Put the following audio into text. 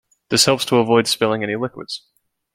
This helps to avoid spilling any liquids.